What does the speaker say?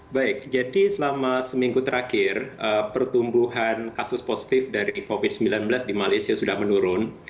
baik jadi selama seminggu terakhir pertumbuhan kasus positif dari covid sembilan belas di malaysia sudah menurun